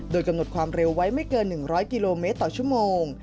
โดยกำหนดความเร็วไว้ไม่เกิน๑๐๐กิโลเมตรต่อชั่วโมง